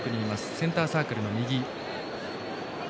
センターサークルの右。